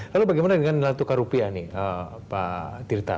lalu bagaimana dengan nilai tukar rupiah nih pak tirta